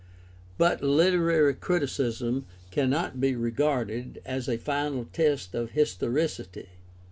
But literary criticism cannot be regarded as a final test of historicity.